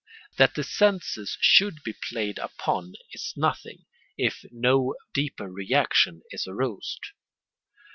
That the senses should be played upon is nothing, if no deeper reaction is aroused.